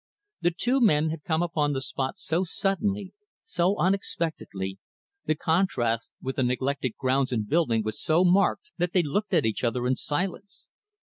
The two men had come upon the spot so suddenly so unexpectedly the contrast with the neglected grounds and buildings was so marked that they looked at each other in silence.